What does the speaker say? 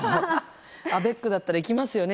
アベックだったら行きますよね